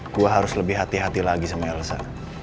gue harus lebih hati hati lagi sama elsa